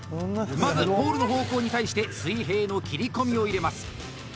まず、ポールの方向に対して水平の切り込みを入れます。